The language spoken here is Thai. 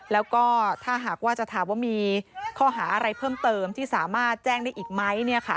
แล้วก็ถ้าหากว่าจะถามว่ามีข้อหาอะไรเพิ่มเติมที่สามารถแจ้งได้อีกไหม